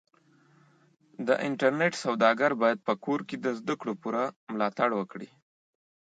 د انټرنېټ سوداګر بايد په کور کې د زدهکړو پوره ملاتړ وکړي.